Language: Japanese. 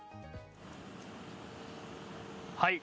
はい。